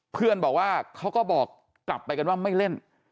เพื่อนบอกว่าเขาก็บอกกลับไปกันว่าไม่เล่น